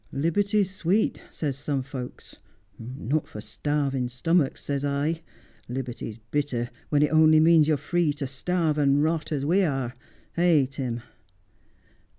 " Liberty's sweet," says some folks. Not for starving stomachs, says I. Liberty's bittei , when it only means you're free to starve and rot — as we are — eh, Tim